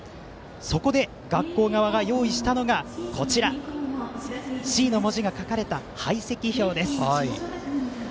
そこで、学校側が用意したのがＣの文字が書かれた配席表です。